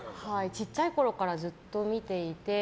ちっちゃいころからずっと見ていて。